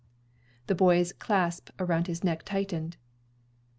The boy's clasp around his neck tightened.